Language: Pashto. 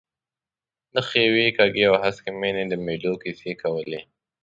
د ښیوې، کږې او هسکې مېنې د مېلو کیسې کولې.